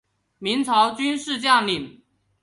明朝军事将领。